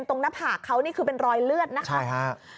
ในตรงหน้าผากเขานี่คือเป็นรอยเลือดนะครับ